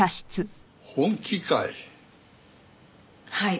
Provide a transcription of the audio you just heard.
本気かい？